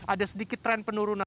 ada sedikit tren penurunan